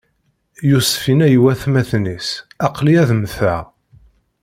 Yusef inna i watmaten-is: Aql-i ad mmteɣ!